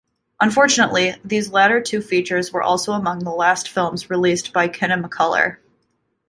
Unfortunately, these latter two features were also among the last films released by Kinemacolor.